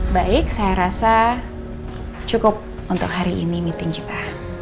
baik saya rasa cukup untuk hari ini meeting kita